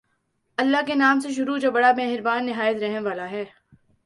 اللہ کے نام سے شروع جو بڑا مہربان نہایت رحم والا ہے